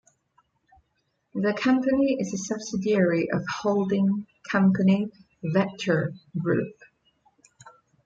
The company is a subsidiary of holding company Vector Group.